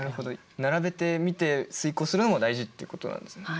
並べてみて推こうするのも大事っていうことなんですね。